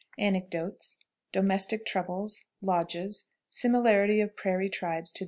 Anecdotes. Domestic Troubles. Lodges. Similarity of Prairie Tribes to the Arabs.